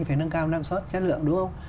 phải nâng cao năng suất chất lượng đúng không